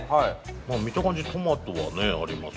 まあ見た感じトマトはねあります。